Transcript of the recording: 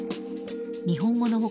日本語の他